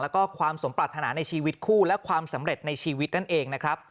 แล้วก็ความสมปรารถนาในชีวิตคู่และความสำเร็จในชีวิตนั่นเองนะครับ